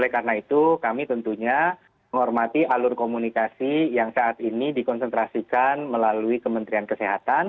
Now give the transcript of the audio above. karena itu kami tentunya menghormati alur komunikasi yang saat ini dikonsentrasikan melalui kementerian kesehatan